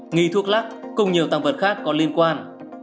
nghi thuốc lắc cùng nhiều tăng vật khác có liên quan